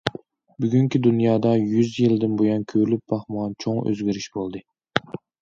بۈگۈنكى دۇنيادا يۈز يىلدىن بۇيان كۆرۈلۈپ باقمىغان چوڭ ئۆزگىرىش بولدى.